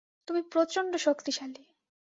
তুমি প্রচন্ড শক্তিশালী!